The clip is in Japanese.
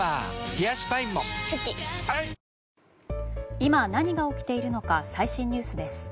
今、何が起きているのか最新ニュースです。